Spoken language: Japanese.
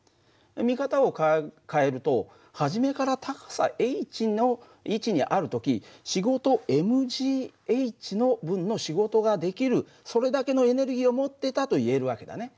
見方を変えると初めから高さｈの位置にある時仕事ｍｈの分の仕事ができるそれだけのエネルギーを持ってたといえる訳だね。